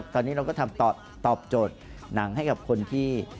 ตอนนี้เราก็ทำตอบโจทย์หนังให้กับคนที่